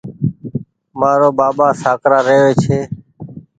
مآرو ٻآٻآ سآڪرآ رهوي ڇي